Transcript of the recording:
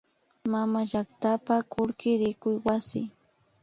Mamallaktapa kullki rikuy wasi